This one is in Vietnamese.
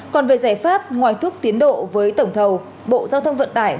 còn về giải pháp ngoài thuốc tiến độ với tổng thầu bộ giao thông vận tải